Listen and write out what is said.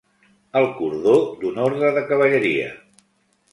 El cordó d'un orde de cavalleria.